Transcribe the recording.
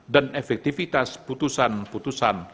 dan efektivitas putusan putusan